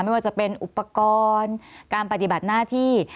ไม่ว่าจะเป็นอุปกรณ์การปฏิบัติหน้าที่